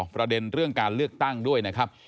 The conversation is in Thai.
ประเด็นเรื่องการเลือกตั้งด้วยนะครับ